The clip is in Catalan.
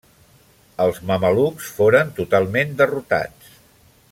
Els mamelucs foren totalment derrotats.